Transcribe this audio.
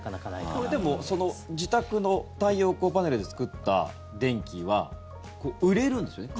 これ、でも、自宅の太陽光パネルで作った電気は売れるんですよね？